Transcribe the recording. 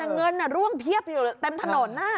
เงินร่วงเพียบอยู่เต็มถนน